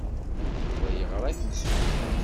Yuba yeɣra i temsulta.